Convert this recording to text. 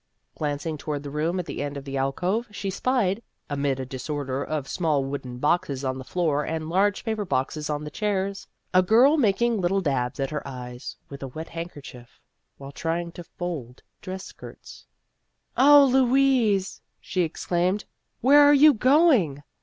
Glancing toward the room at the end of the alcove, she spied, amid a disorder of small wooden boxes on the floor and large paper boxes on the chairs, a girl making little dabs at her eyes with a wet handkerchief, while trying to fold dress skirts. 222 Vassar Studies "Oh, Louise!" she exclaimed, "where are you going